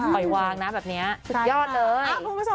ไปวางนะแบบนี้สุดยอดเลย